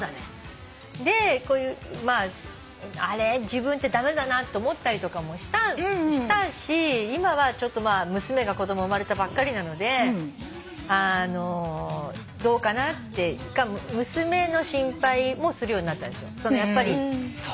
でこういう自分って駄目だなと思ったりもしたし今は娘が子供生まれたばっかりなのでどうかなって娘の心配もするようになったんです。